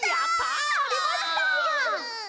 ありました。